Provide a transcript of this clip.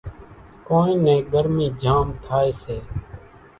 ڪونئين نين ڳرمِي جھام ٿائيَ سي۔